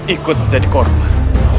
ikut menjadi korban